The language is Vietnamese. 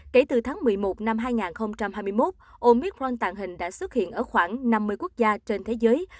kể từ tháng một mươi một năm hai nghìn hai mươi một omicron tàng hình đã xuất hiện ở khoảng năm mươi quốc gia trên thế giới